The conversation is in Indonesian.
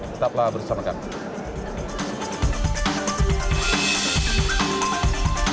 tetaplah bersama kami